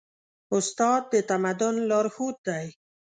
استاد د تمدن لارښود دی.